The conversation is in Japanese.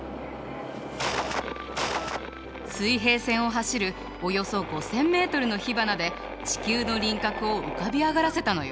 水平線を走るおよそ５，０００メートルの火花で地球の輪郭を浮かび上がらせたのよ。